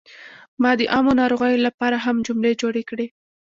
ما د عامو ناروغیو لپاره هم جملې جوړې کړې.